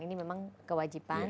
ini memang kewajiban